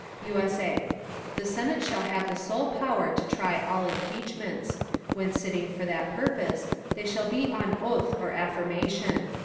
[USA] The Senate shall have the sole Power to try all Impeachments. When sitting for that Purpose, they shall be on Oath or Affirmation.